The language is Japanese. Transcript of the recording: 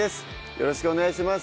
よろしくお願いします